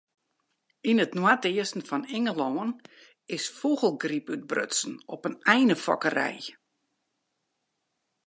Yn it noardeasten fan Ingelân is fûgelgryp útbrutsen op in einefokkerij.